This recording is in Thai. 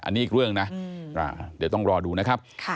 อันนี้อีกเรื่องนะเดี๋ยวต้องรอดูนะครับ